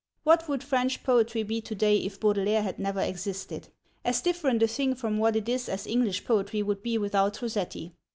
What would French poetry be to day if Baudelaire had never existed? As different a thing from what it is as English poetry would be without Rossetti.